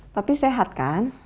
tapi sehat kan